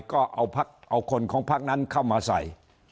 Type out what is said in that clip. ก็เอาคนของพักนั้นเข้ามาใส่